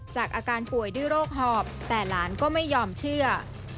จากอาการป่วยด้วยโรคหอบแต่หลานก็ไม่ยอมเชื่อ